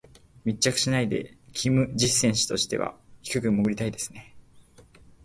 密着しないでキム・ジス選手としては低く潜りたいですね。